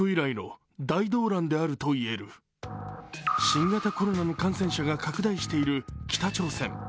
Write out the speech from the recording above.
新型コロナの感染者が拡大している北朝鮮。